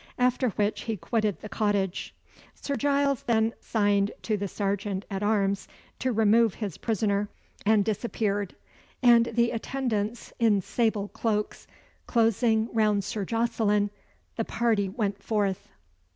After which he quitted the cottage. Sir Giles then signed to the serjeant at arms to remove his prisoner, and disappeared; and the attendants, in sable cloaks, closing round Sir Jocelyn, the party went forth.